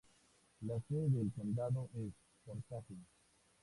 La sede del condado es Portage.